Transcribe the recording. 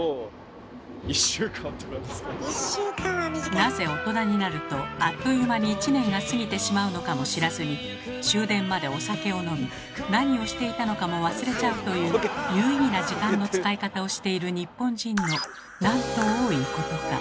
なぜ大人になるとあっという間に１年が過ぎてしまうのかも知らずに終電までお酒を飲み何をしていたのかも忘れちゃうという有意義な時間の使い方をしている日本人のなんと多いことか。